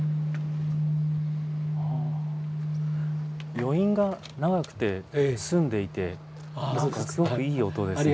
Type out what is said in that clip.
余韻が長くて澄んでいて何かすごくいい音ですね。